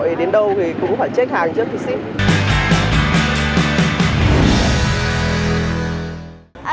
em đang gọi cho khách này